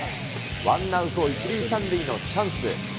ワンアウト１塁３塁のチャンス。